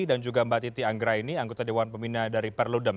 dan juga mbak titi anggra ini anggota dewan pemina dari perludem